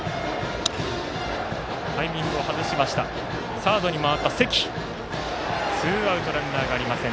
サードに回った関、つかんでツーアウト、ランナーありません。